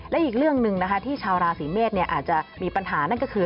และอีกเรื่องหนึ่งนะคะที่ชาวราศีเมษอาจจะมีปัญหานั่นก็คือ